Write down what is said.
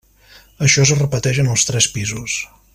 Això es repeteix en els tres pisos.